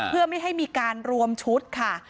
เพื่อไม่ให้มีการรวมชุดค่ะ